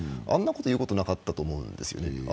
あんなこと言うことなかったと思うんですね。